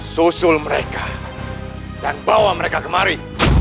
susul mereka dan bawa mereka kemari